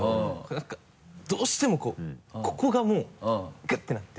何かどうしてもこうここがもうグッてなって。